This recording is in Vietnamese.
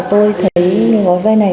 cơ quan điều tra tôi thấy những gói vay này